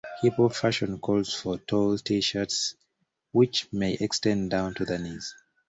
Hip hop fashion calls for "tall-T" shirts which may extend down to the knees.